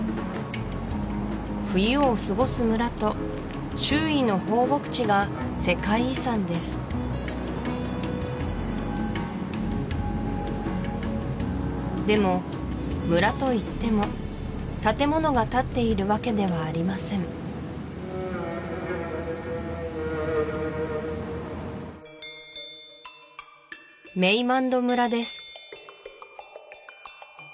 冬を過ごす村と周囲の放牧地が世界遺産ですでも村といっても建物が立っているわけではありませんメイマンド村です